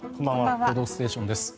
「報道ステーション」です。